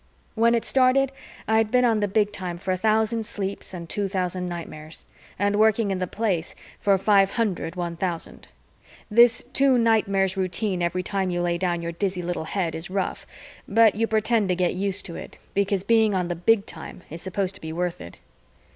When it started, I had been on the Big Time for a thousand sleeps and two thousand nightmares, and working in the Place for five hundred one thousand. This two nightmares routine every time you lay down your dizzy little head is rough, but you pretend to get used to it because being on the Big Time is supposed to be worth it.